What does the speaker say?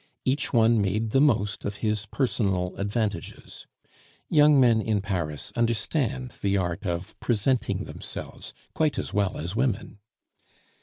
Each one made the most of his personal advantages. Young men in Paris understand the art of presenting themselves quite as well as women.